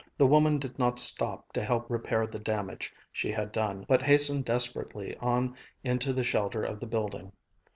The woman did not stop to help repair the damage she had done, but hastened desperately on into the shelter of the building.